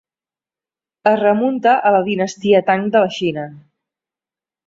Es remunta a la dinastia Tang de la Xina.